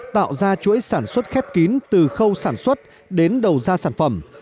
tạo ra chuỗi sản xuất khép kín từ khâu sản xuất đến đầu ra sản phẩm